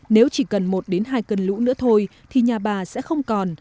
nếu chỉ cần một đến hai cơn lũ nữa thôi thì nhà bà sẽ không còn